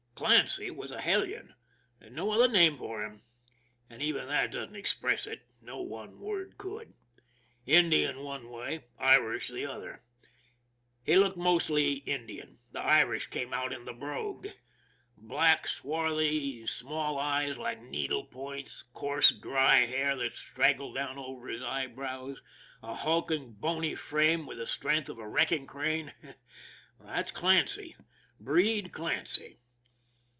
Clancy was a hellion, there's no other name for him, and even that doesn't express it no one word could. Indian one way, Irish the other. He looked mostly Indian; the Irish came out in the brogue. Black, swarthy, small eyes like needle points, coarse dry hair that straggled down over his eyebrows, a hulking bony frame with the strength of a wrecking crane that's Clancy, Breed Clancy.